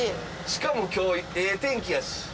しかも今日ええ天気やし。